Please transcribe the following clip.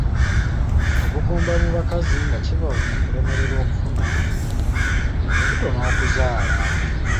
Obugumba mu bakazi nga kiva mu kulemererwa okufuna olubuto n’okuzaala.